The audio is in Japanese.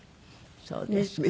そうですか。